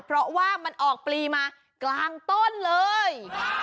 เพราะว่ามันออกปลีมากลางต้นเลย